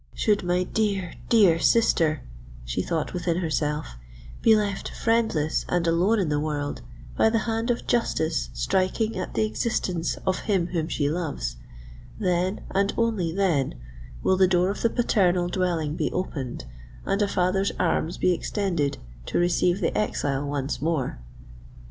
"Should my dear—dear sister," she thought within herself, "be left friendless and alone in the world, by the hand of justice striking at the existence of him whom she loves—then, and only then, will the door of the paternal dwelling be opened, and a father's arms be extended, to receive the exile once more."